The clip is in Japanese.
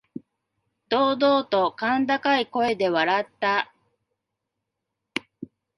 堂々と甲高い声で笑った。